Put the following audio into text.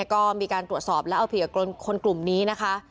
ก็มีการตรวจสอบและเอาผิดกับคนกลุ่มนี้นะคะ